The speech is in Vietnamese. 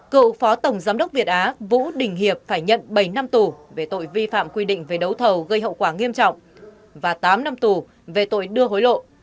cựu phó tổng giám đốc việt á vũ đình hiệp phải nhận bảy năm tù về tội vi phạm quy định về đấu thầu gây hậu quả nghiêm trọng và tám năm tù về tội đưa hối lộ